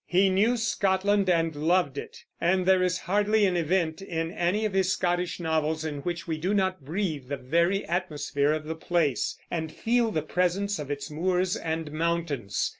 He knew Scotland, and loved it; and there is hardly an event in any of his Scottish novels in which we do not breathe the very atmosphere of the place, and feel the presence of its moors and mountains.